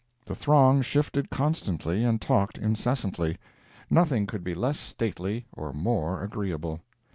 The throng shifted constantly and talked incessantly. Nothing could be less stately or more agreeable.